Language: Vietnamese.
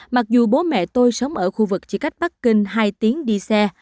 mặc dù bố mẹ tôi sống ở khu vực chỉ cách bắc kinh hai tiếng đi xe